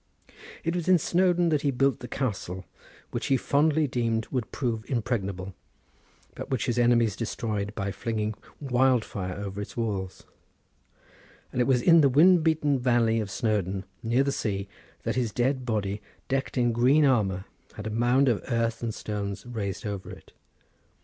It was in Snowdon that he built the castle, which he fondly deemed would prove impregnable, but which his enemies destroyed by flinging wildfire over its walls; and it was in a wind beaten valley of Snowdon, near the sea, that his dead body decked in green armour had a mound of earth and stones raised over it.